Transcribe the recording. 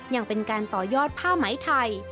ยังเป็นการต่อยอดผ้าไหมไทย